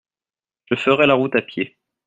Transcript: Je ferai la route à pied.